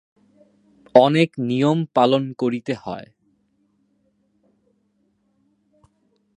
অনেক নিয়ম পালন করিতে হয়।